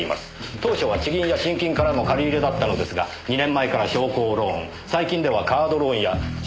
当初は地銀や信金からの借り入れだったのですが２年前から商工ローン最近ではカードローンや消費者金融。